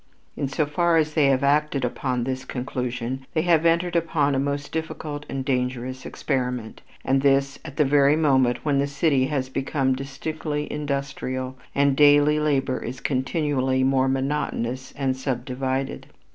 In so far as they have acted upon this conclusion, they have entered upon a most difficult and dangerous experiment; and this at the very moment when the city has become distinctly industrial, and daily labor is continually more monotonous and subdivided.